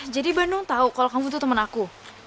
jadi bandung tahu kalau kamu itu teman aku